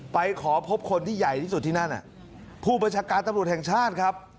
ไปขอพบคนที่ใหญ่ที่สุดที่นั่นผู้บัญชาการตำรวจแห่งชาติครับ